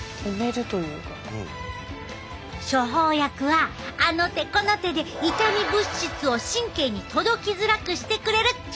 処方薬はあの手この手で痛み物質を神経に届きづらくしてくれるっちゅうわけやな！